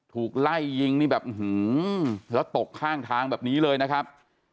ถูกไล่ยิงนี่แบบแล้วตกข้างทางแบบนี้เลยนะครับ